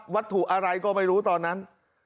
วัตถุอะไรก็ไม่รู้ตอนนั้น